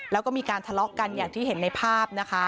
แล้วก็มีการทะเลาะกันอย่างที่เห็นในภาพนะคะ